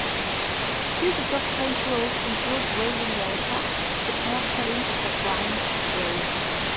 Uses of treadwheels included raising water, to power cranes, or grind grain.